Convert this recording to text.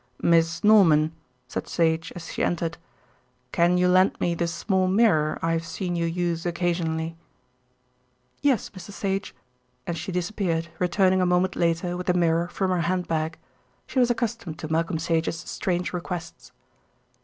"Miss Norman," said Sage as she entered, "can you lend me the small mirror I have seen you use occasionally?" "Yes, Mr. Sage," and she disappeared, returning a moment later with the mirror from her handbag. She was accustomed to Malcolm Sage's strange requests.